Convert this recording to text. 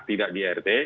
tidak di rt